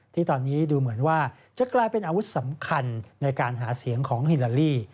ที่ตอนนี้ดูเหมือนว่าจะกลายเป็นอาวุธสำคัญในการหาเสียงของฮิลาลี